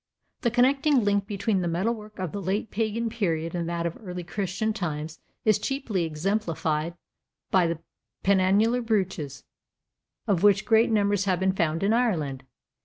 The connecting link between the metalwork of the late pagan period and that of early Christian times is chiefly exemplified by the penannular brooches, of which great numbers have been found in Ireland.